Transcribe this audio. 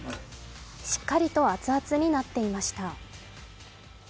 しっかりと熱々になっていました。